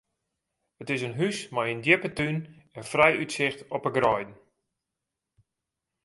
It is in hús mei in djippe tún en frij útsicht op de greiden.